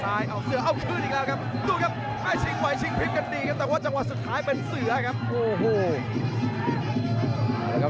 แต่ว่าจังหวะสุดท้ายเป็นเสือครับ